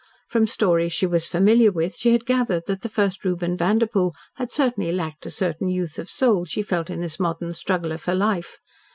From stories she was familiar with, she had gathered that the first Reuben Vanderpoel had certainly lacked a certain youth of soul she felt in this modern struggler for life.